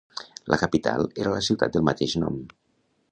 La capital era la ciutat del mateix nom.